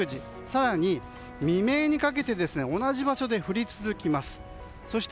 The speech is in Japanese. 更に未明にかけて同じ場所で降り続きます。